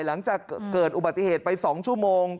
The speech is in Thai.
หลังจากเกิดอุบัติเหตุไป๒ชั่วโมง